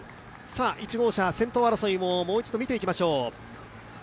１号車、先頭争いももう一度見ていきましょう。